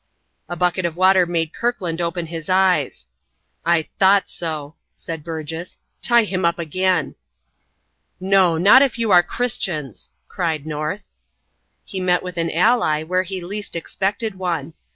A bucket of water made Kirkland open his eyes. "I thought so," said Burgess. "Tie him up again." "No. Not if you are Christians!" cried North. He met with an ally where he least expected one.